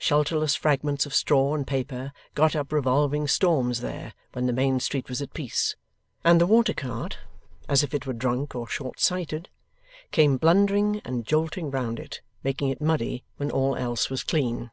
Shelterless fragments of straw and paper got up revolving storms there, when the main street was at peace; and the water cart, as if it were drunk or short sighted, came blundering and jolting round it, making it muddy when all else was clean.